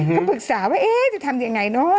เขาปรึกษาว่าเอ๊ะจะทำยังไงเนาะ